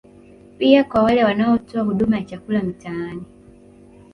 Pia kwa wale wanaotoa huduma ya chakula mitaani